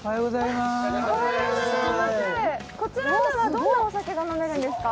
こちらでは、どんなお酒が飲めるんですか？